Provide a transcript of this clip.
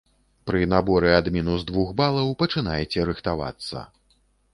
Пры наборы ад мінус двух балаў пачынайце рыхтавацца.